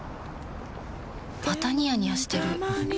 またニヤニヤしてるふふ。